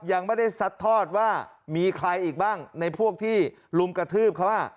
ยังไม่ได้ซัดทอดว่ามีใครอีกบ้างในพวกที่ลุมกระทืบเขา